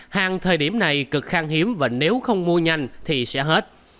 hàng thời điểm này cực khang hiếm và nếu không mua nhanh thì sẽ hết